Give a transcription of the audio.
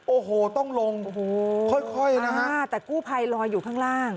โอ้โหต้องลงโอ้โหค่อยค่อยนะฮะแต่กู้ภัยลอยอยู่ข้างล่าง